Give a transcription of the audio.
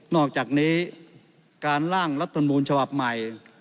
อกจากนี้การล่างรัฐมนูลฉบับใหม่